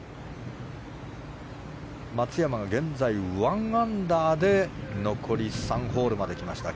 松山は現在、１アンダーで残り３ホールまで来ました。